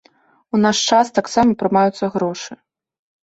У наш час таксама прымаюцца грошы.